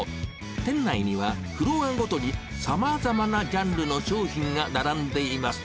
店内には、フロアごとに、さまざまなジャンルの商品が並んでいます。